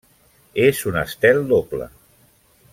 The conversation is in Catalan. És un estel doble.